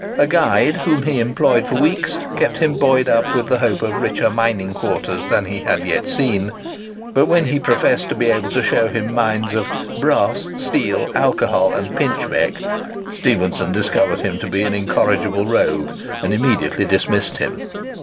A guide whom he employed for weeks, kept him buoyed up with the hope of richer mining quarters than he had yet seen; but when he professed to be able to show him mines of "brass, steel, alcohol, and pinchbeck," Stephenson discovered him to be an incorrigible rogue, and immediately dismissed him.